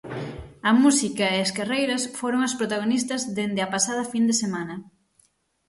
A música e as carreiras foron as protagonistas dende a pasada fin de semana.